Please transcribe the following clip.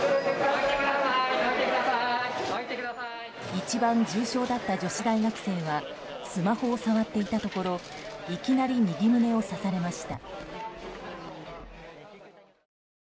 一番重傷だった女子大学生はスマホを触っていたところいきなり右胸を刺されました。